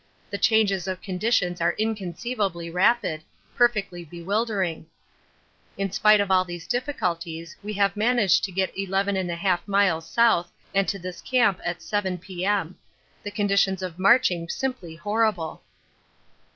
The changes of conditions are inconceivably rapid, perfectly bewildering. In spite of all these difficulties we have managed to get 11 1/2 miles south and to this camp at 7 P.M. the conditions of marching simply horrible.